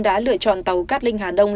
đã lựa chọn tàu cát linh hà đông